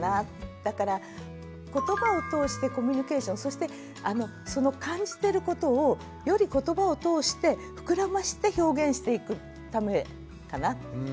だからことばをとおしてコミュニケーションそしてその感じてることをよりことばをとおして膨らまして表現していくためかな。